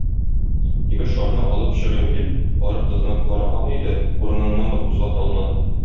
Егет шарны алып чыгыйм дип, барып тотынып караган иде, урыныннан да кузгата алмады.